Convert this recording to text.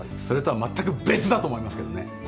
それとは全く別だと思いますけどね。